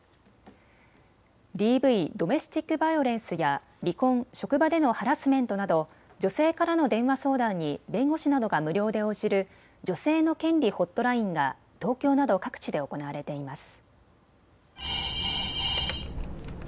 ＤＶ・ドメスティック・バイオレンスや離婚、職場でのハラスメントなど女性からの電話相談に弁護士などが無料で応じる女性の権利ホットラインが東京など各地で行われています。